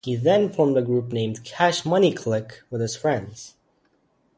He then formed a group named "Cash Money Click" with his friends.